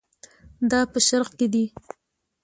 دا په شرق کې دي.